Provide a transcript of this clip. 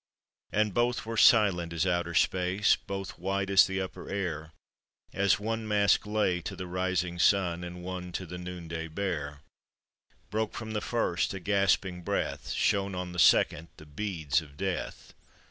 And both were silent as outer space, Both white as the upper air; As one mask lay to the rising sun, And one to the noon day bare, Broke from the first a gasping breath. Shone on the second the beads of death.